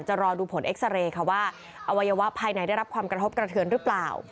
รอดูผลเอ็กซาเรย์ค่ะว่าอวัยวะภายในได้รับความกระทบกระเทือนหรือเปล่า